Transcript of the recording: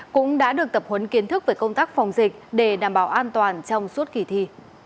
cũng đã được tập huấn kiến thức về công tác phòng dịch để đảm bảo an toàn trong suốt kỳ thi